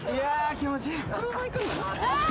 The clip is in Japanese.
気持ちいい。